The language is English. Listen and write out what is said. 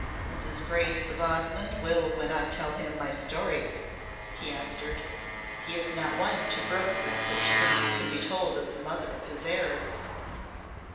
"As his Grace of Osmonde will when I tell him my story," he answered. "He is not one to brook that such things can be told of the mother of his heirs."